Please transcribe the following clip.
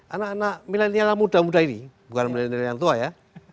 anak anak milenial muda muda ini bukan milenial yang tua ya